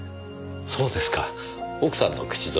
そうですか奥さんの口添えで。